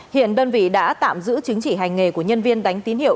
hiện đơn vị đã tạm giữ chứng chỉ hành nghề của nhân viên đánh tín hiệu